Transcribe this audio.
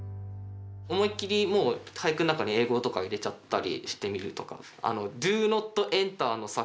思いっきりもう俳句の中に英語とか入れちゃったりしてみるとか。